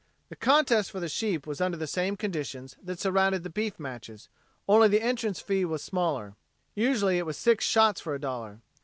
The contest for the sheep was under the same conditions that surrounded the beef matches; only the entrance fee was smaller. Usually it was six shots for a dollar.